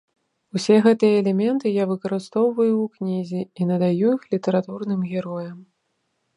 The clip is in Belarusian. Усе гэтыя элементы я выкарыстоўваю ў кнізе і надаю іх літаратурным героям.